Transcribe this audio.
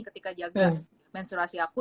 ketika jaga menstruasi aku